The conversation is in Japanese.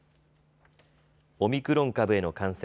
オミクロン株への感染。